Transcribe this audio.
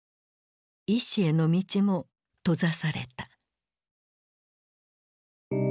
医師への道も閉ざされた。